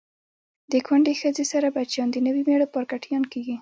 د کونډی خځی سره بچیان د نوي میړه پارکټیان کیږي